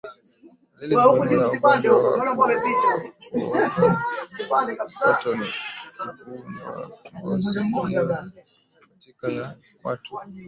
Dalili muhimu ya ugonjwa wa kuoza kwato ni kuvimba ngozi iliyo katikati ya kwato